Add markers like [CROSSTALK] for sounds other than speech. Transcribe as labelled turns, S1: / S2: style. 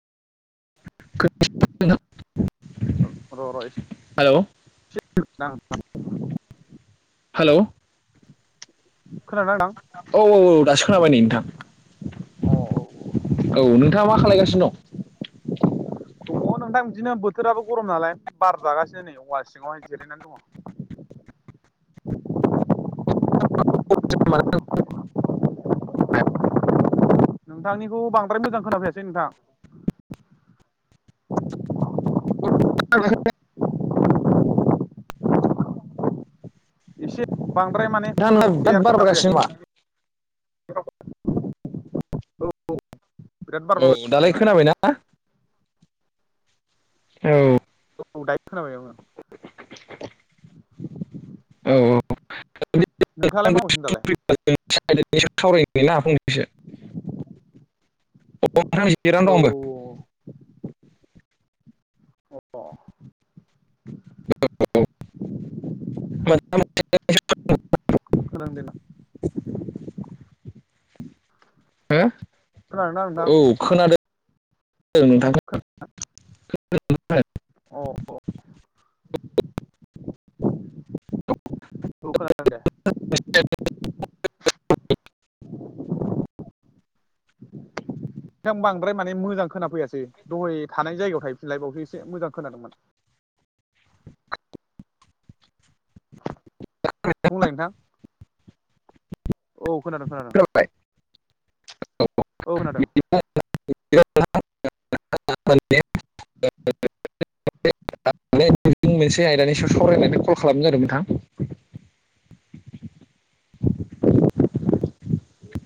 S1: औ र र ऐसे [UNINTELLIGIBLE]
S2: हेलौ औ औ औ दासो खोनाबाय नै नोंथां औ नोंथाङा मा खालायगासिनो दं
S1: दङ नोंथां बिदिनो बोथोराबो गरम नालाय बार जागासिनो नै औवा सिङावहाय जिरायनानै दङ
S2: [INAUDIBLE] [INAUDIBLE]
S1: नोंथांनिखौ बांद्राय मोजां खोनाफैयासै नोंथां
S2: आ [UNINTELLIGIBLE]
S1: एसे बांद्राय माने मोजां क्लियार खोनाफैयासै नोंथांनि रावखौ औ
S2: औ दालाय खोनाबायना औ
S1: औ दायो खोनाबाय औ
S2: औ औ [UNINTELLIGIBLE] एसे औ
S1: औ औ औ अ
S2: [INAUDIBLE]
S1: खोनादों दे ना
S2: ओ
S1: खोनादोंना नोंथां?
S2: औ नोंथां [UNINTELLIGIBLE]
S1: अ औ खोनादों दे।
S2: [INAUDIBLE]
S1: नोंथां बांद्राय माने मोजां खोनाफैयासै द'है थानाय जायगायाव थाहिफिनलाय बावसो एसे मोजां खोनादोंमोन।
S2: [INAUDIBLE]
S1: बुंलाय नोंथां। औ। खोनादों खोनादों औ खोनादों।
S2: [INAUDIBLE] [INAUDIBLE] [INAUDIBLE] मोनसे आयदानि सायाव सावरायनो होन्नानै कल खालामनाय जादों नोंथां। [INAUDIBLE]